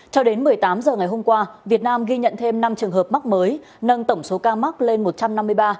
cho đến một mươi tám h ngày hôm qua việt nam ghi nhận thêm năm trường hợp mắc mới nâng tổng số ca mắc lên một trăm năm mươi ba ca